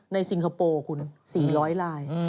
สิงคโปร์คุณ๔๐๐ลาย